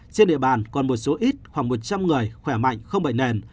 trên địa bàn còn một số ít khoảng một trăm linh người khỏe mạnh không bệnh nền